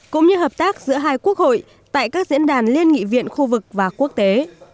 cũng như hợp tác giữa hai quốc hội tại các diễn đàn liên nghị viện khu vực và quốc tế